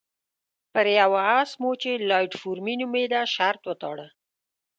پر یوه اس مو چې لایټ فور مي نومېده شرط وتاړه.